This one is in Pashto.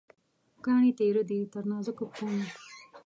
کاڼې تېره دي، تر نازکو پښومې